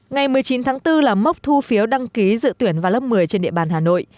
ngày một mươi chín tháng bốn là mốc thu phiếu đăng ký dự tuyển vào lớp một mươi trên địa bàn hà nội